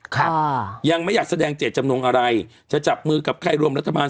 ครับยังไม่อยากแสดงเจตจำนงอะไรจะจับมือกับใครรวมรัฐบาล